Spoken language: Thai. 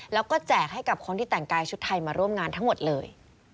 แล้วก็แจกให้กับคนที่แต่งกายชุดไทยมาร่วมงานทั้งหมดเลย